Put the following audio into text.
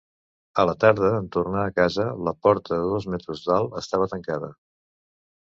A la tarda, en tornar a casa, la porta de dos metres d'alt estava tancada.